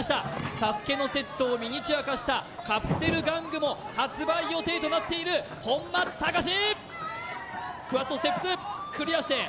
ＳＡＳＵＫＥのセットをミニチュア化したカプセル玩具も発売予定となっている本間隆史！